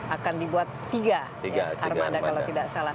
akan dibuat tiga armada kalau tidak salah